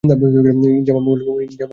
ইনজামামাম-উল-হককে বিদেয় করেন।